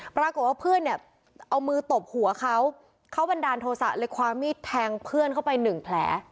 ปรากฏว่าเพื่อนเนี่ยเอามือตบหัวเขาเขาบันดาลโทษะเลยความมีดแทงเพื่อนเข้าไปหนึ่งแผล